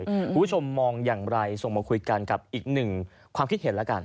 คุณผู้ชมมองอย่างไรส่งมาคุยกันกับอีกหนึ่งความคิดเห็นแล้วกัน